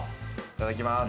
いただきます。